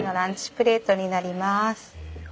プレートになります。